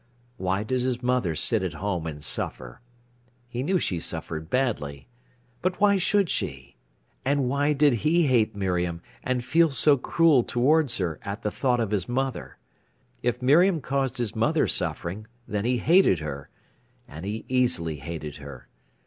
Why did his mother sit at home and suffer? He knew she suffered badly. But why should she? And why did he hate Miriam, and feel so cruel towards her, at the thought of his mother. If Miriam caused his mother suffering, then he hated her—and he easily hated her.